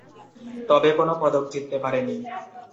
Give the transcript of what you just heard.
তবে কোন পদক জিততে পারেনি।